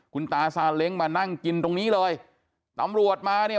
คุณตาซาเล้งมานั่งกินตรงนี้เลยตำรวจมาเนี่ย